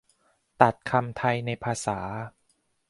ตัดคำไทยในภาษา